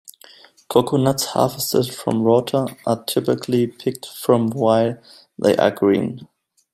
Coconuts harvested for water are typically picked from while they are green.